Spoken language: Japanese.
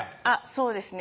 そうですね